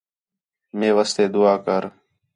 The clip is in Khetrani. مے واسطے دُعا کر